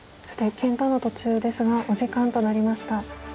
さて検討の途中ですがお時間となりました。